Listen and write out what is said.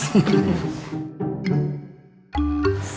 siap pak bos